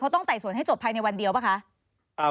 ต้องไต่สวนให้จบภายในวันเดียวป่ะคะ